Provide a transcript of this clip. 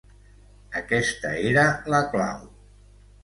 Aquesta era la clau.